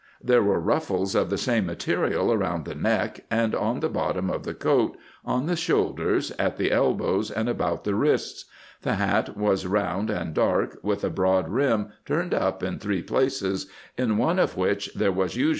There were ruffles of the same material around the neck and on the bottom of the coat, on the shoulders, at the elbows, and about the wrists. The hat was round and dark, with a broad brim turned up in three places, in one of which there was usually a 1 Journals of Congress, February 5, 1777.